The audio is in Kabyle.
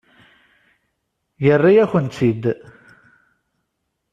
Yerra-yakent-tt-id.